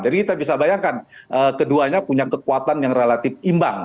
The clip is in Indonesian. jadi kita bisa bayangkan keduanya punya kekuatan yang relatif imbang